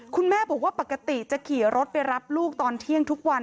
คุณแม่บอกว่าปกติจะขี่รถไปรับลูกตอนเที่ยงทุกวัน